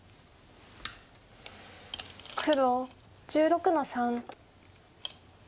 黒１６の三。